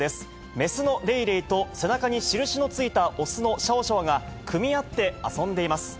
雌のレイレイと背中に印のついた雄のシャオシャオが、組み合って遊んでいます。